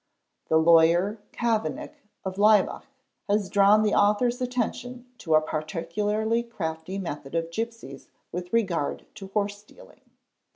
The lawyer Kavenk of Lavbach has drawn the author's attention to a particularly crafty method of gipsies with regard to horse stealing.